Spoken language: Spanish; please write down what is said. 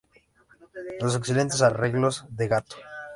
Los excelentes arreglos de ¡Gato!